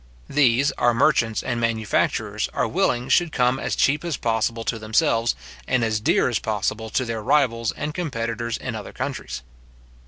These our merchants and manufacturers are willing should come as cheap as possible to themselves, and as dear as possible to their rivals and competitors in other countries.